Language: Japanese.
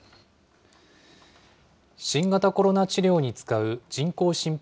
新型コロナ治療に使う人工心肺